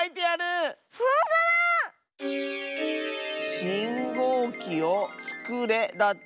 「しんごうきをつくれ」だって。